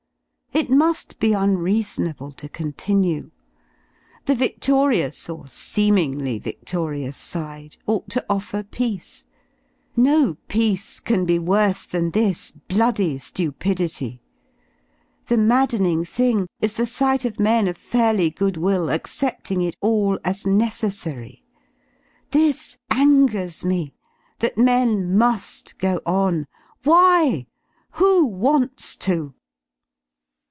f It mu^ be unreasonable to continue. The vidorious, or seemingly victorious side, ought to offer peace: no peace can be worse than this bloody Cupidity. The maddening thing is the sight of men of fairly goodwill accepting it all as necessary; this angers me, that men muif go on. Why? / Who wants to?